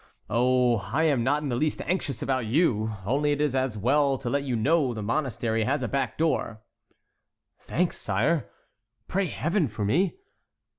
"Oh, I am not in the least anxious about you; only it is as well to let you know the monastery has a back door." "Thanks, sire; pray Heaven for me!"